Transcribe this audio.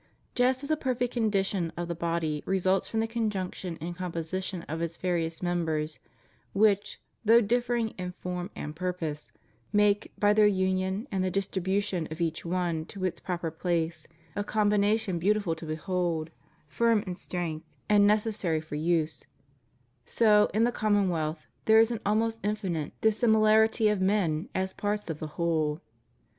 Just as a perfect condition of the body results from the conjunction and composition of its various members, which, though differing in form and purpose, make, by their union and the distribution of each one to its proper place, a combination beautiful to behold, firm in strength, and necessary for use; so, in the commonwealth, there is an almost infinite diasimi* FREEMASONRY. 99 larity of men, as parte of the whole.